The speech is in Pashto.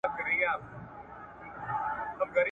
زمری خپلي بې عقلۍ لره حیران سو !.